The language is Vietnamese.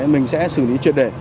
mình sẽ xử lý truyền đề